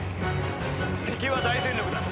敵は大戦力だ。